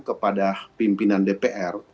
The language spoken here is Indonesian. kepada pimpinan dpr